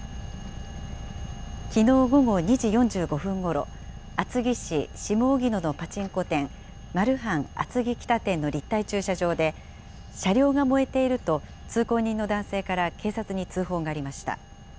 きのう午後２時４５分ごろ、厚木市下荻野のパチンコ店、マルハン厚木北店の立体駐車場で、車両が燃えていると、通行人の男性から警察に通報がありました。